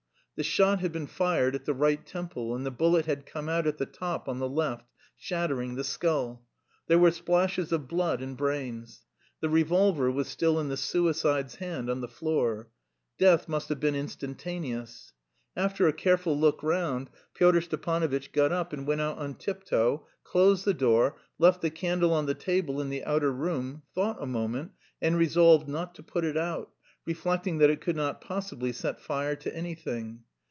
The shot had been fired at the right temple and the bullet had come out at the top on the left, shattering the skull. There were splashes of blood and brains. The revolver was still in the suicide's hand on the floor. Death must have been instantaneous. After a careful look round, Pyotr Stepanovitch got up and went out on tiptoe, closed the door, left the candle on the table in the outer room, thought a moment, and resolved not to put it out, reflecting that it could not possibly set fire to anything.